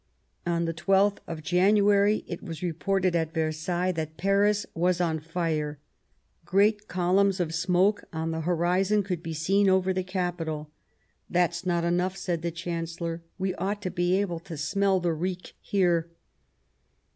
On the 12th of January it was reported at Versailles that Paris was on fire ; great columns of smoke on the horizon could be seen over the capital. " That's not enough," said the Chancellor; "we ought to be able to smell the reek here."